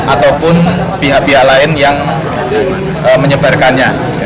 ataupun pihak pihak lain yang menyebarkannya